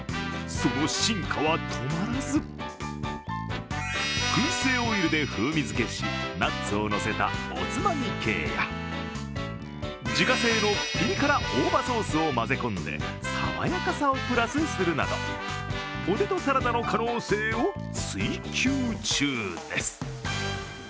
その進化は止まらず、くん製オイルで風味付けしナッツをのせたおつまみ系や自家製のピリ辛大葉ソースを混ぜ込んで爽やかさをプラスするなどポテトサラダの可能性を追求中です。